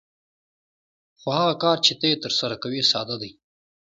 خو هغه کار چې ته یې ترسره کوې ساده دی